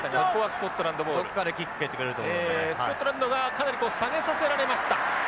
スコットランドがかなり下げさせられました。